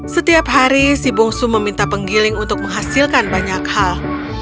setiap hari si bungsu meminta penggiling untuk menghasilkan banyak hal